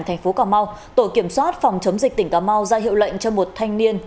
thành phố cà mau tổ kiểm soát phòng chống dịch tỉnh cà mau ra hiệu lệnh cho một thanh niên